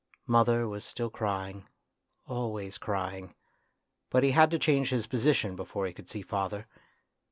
Mother was still crying, always cry ing, but he had to change his position before he could see father.